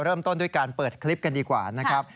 เริ่มต้นด้วยการเปิดคลิปกันดีกว่านะครับ